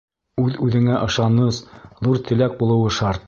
Үҙ-үҙеңә ышаныс, ҙур теләк булыуы шарт.